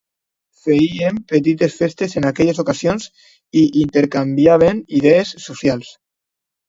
Fèiem petites festes en aquelles ocasions i intercanviàvem idees socials.